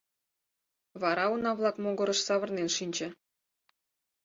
Вара уна-влак могырыш савырнен шинче.